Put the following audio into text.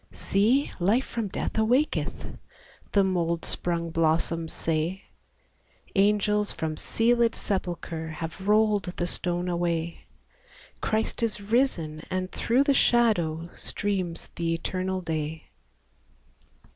EASTER CAROLS 13 "See! Life from death awakcth !" The mould sprung blossoms say ;" Angels from sealed sepulchre Have rolled the stone away ; Christ is risen, and through the shadow Streams the eternal day